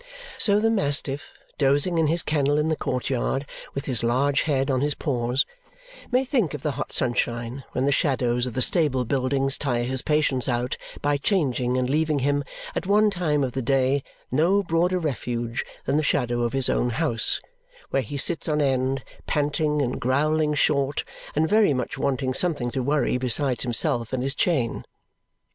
So the mastiff, dozing in his kennel in the court yard with his large head on his paws, may think of the hot sunshine when the shadows of the stable buildings tire his patience out by changing and leave him at one time of the day no broader refuge than the shadow of his own house, where he sits on end, panting and growling short, and very much wanting something to worry besides himself and his chain.